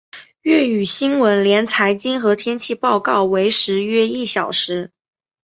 粤语新闻连财经和天气报告为时约一小时。